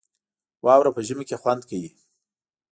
واوره په ژمي کې خوند کوي